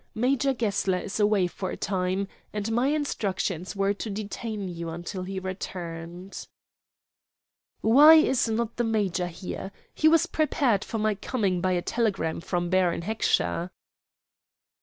Major Gessler is away for a time, and my instructions were to detain you until he returned." "Why is not the major here? He was prepared for my coming by a telegram from Baron Heckscher."